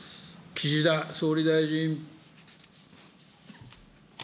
岸田総理大臣。